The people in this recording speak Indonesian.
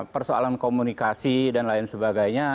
persoalan komunikasi dan lain sebagainya